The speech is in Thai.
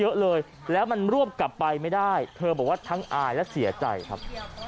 เยอะเลยแล้วมันรวบกลับไปไม่ได้เธอบอกว่าทั้งอายและเสียใจครับ